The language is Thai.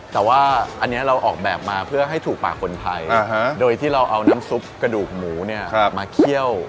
แต่ว่าอันนี้เราออกแบบมาเพื่อให้ถูกปากคนไทยโดยที่เราเอาน้ำซุปกระดูกหมูเนี่ยมาเคี่ยว